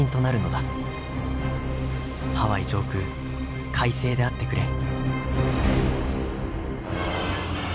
ハワイ上空快晴であってくれ」。